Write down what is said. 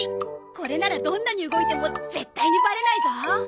これならどんなに動いても絶対にバレないぞ！